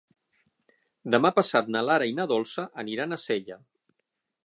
Demà passat na Lara i na Dolça aniran a Sella.